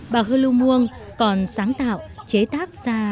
bà hư lưu muông còn sáng tạo chế tác ra sản phẩm hình con thuốc